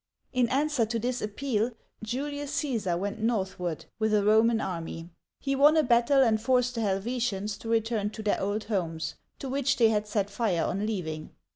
In answer to this appeal, Julius Caesar went northward with a Roman army. He won a battle and forced the Helvetians to return to their old homes, to which they had set fire on leaving.